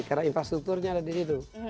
karena infrastrukturnya ada di situ